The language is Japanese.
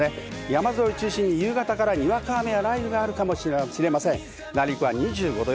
山沿いを中心に、にわか雨や雷雨があるかもしれません。